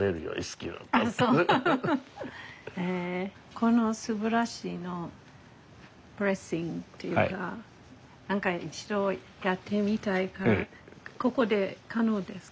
このすばらしいのレッスンというか何か一度やってみたいからここで可能ですか？